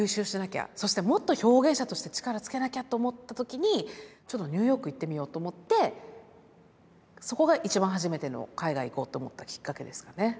そしてもっと表現者として力つけなきゃと思った時にちょっとニューヨーク行ってみようと思ってそこが一番初めての海外行こうと思ったきっかけですかね。